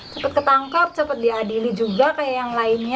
cepat ketangkap cepat diadili juga kayak yang lainnya